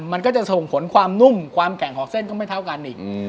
มันก็จะส่งผลความนุ่มความแกร่งของเส้นก็ไม่เท่ากันอีก